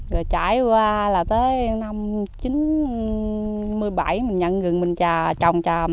rồi trải qua là tới năm một nghìn chín trăm chín mươi bảy mình nhận gừng mình trà trồng tràm